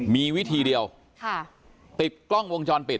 มีวิธีเดียวติดกล้องวงจรปิด